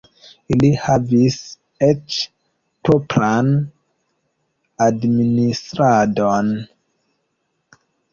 Ili havis eĉ propran administradon.